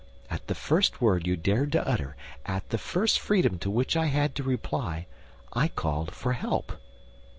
At the first word you dared to utter, at the first freedom to which I had to reply, I called for help."